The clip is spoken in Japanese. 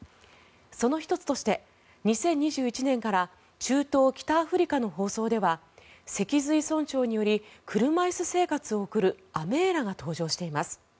その１つとして、２０２１年から中東・北アフリカの放送では脊髄損傷により車椅子生活を送るアメーラが登場しています。